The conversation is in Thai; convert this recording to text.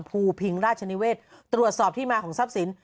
ภูริภิงราชนิเวศตรวจสอบที่มาของซับสิน